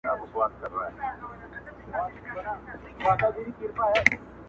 • خوار پر لاهور هم خوار وي -